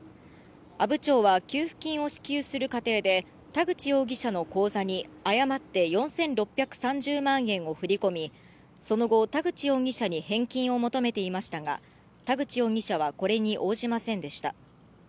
阿武町は給付金を支給する過程で、田口容疑者の口座に誤って４６３０万円を振り込み、その後、田口容疑者に返金を求めていましたが、田口容疑者はこれに応じませんでした。